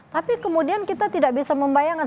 tapi kemudian kita tidak bisa membayangkan